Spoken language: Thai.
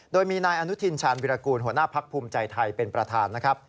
โดยมีนายอนุทินชาญวิรากูลหัวหน้าพักภูมิใจไทยเป็นประธานนะครับ